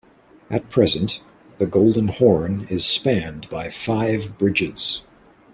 At present, the Golden Horn is spanned by five bridges.